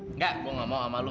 enggak gua gak mau sama lu